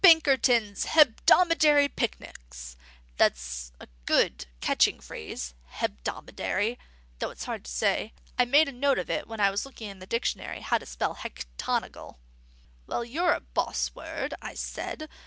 PINKERTON'S HEBDOMADARY PICNICS!' (That's a good, catching phrase, 'hebdomadary,' though it's hard to say. I made a note of it when I was looking in the dictionary how to spell hectagonal. 'Well, you're a boss word,' I said.